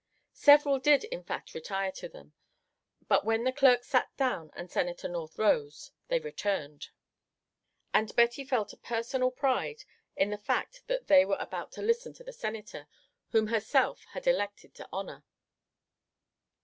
Several did in fact retire to them, but when the clerk sat down and Senator North rose, they returned; and Betty felt a personal pride in the fact that they were about to listen to the Senator whom herself had elected to honour.